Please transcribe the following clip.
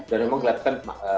dan memang gelap kan